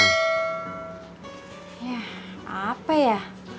yah apa ya